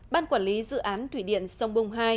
ban quản lý dự án thủy điện sông bung hai